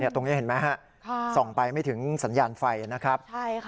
ตรงนี้เห็นไหมฮะส่องไปไม่ถึงสัญญาณไฟนะครับ